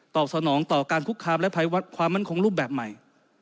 สนองต่อการคุกคามและภัยวัดความมั่นคงรูปแบบใหม่